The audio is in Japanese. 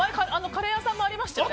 カレー屋さんもありましたよね。